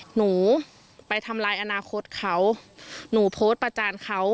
หนูไปทำลายอนาคตเขาหนูโพสต์ประจานเขา